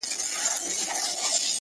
سواهد ټول راټولوي,